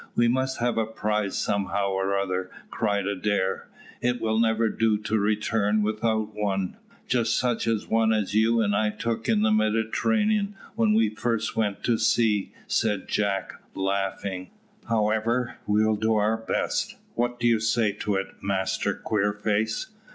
"We must have a prize somehow or other," cried Adair; "it will never do to return without one." "Just such a one as you and I took in the Mediterranean when we first went to sea," said Jack, laughing. "However, we'll do our best: what do you say to it, Master Queerface?"